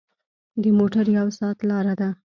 د موټر یو ساعت لاره ده.